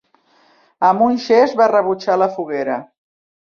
Amb un gest va rebutjar la foguera.